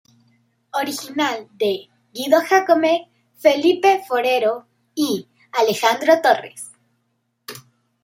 Original de Guido Jácome, Felipe Forero y Alejandro Torres.